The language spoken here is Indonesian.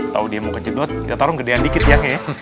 tau dia mau kejedot kita taruh gedean dikit ya